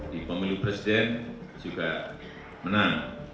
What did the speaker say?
di pemilu presiden juga menang